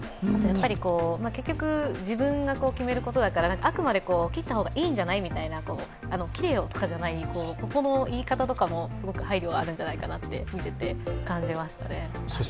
結局、自分が決めることだからあくまで切った方がいいんじゃない？みたいな切れよとかじゃない、ここの言い方もすごく配慮があるんじゃないかなって、見てて思いました。